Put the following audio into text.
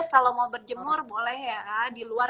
kalau mau berjemur boleh ya di luar